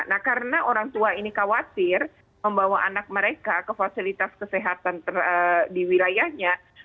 nah karena orang tua ini khawatir membawa anak mereka ke fasilitas kesehatan di wilayahnya